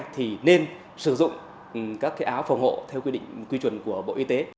thì nên sử dụng các áo phòng hộ theo quy định quy chuẩn của bộ y tế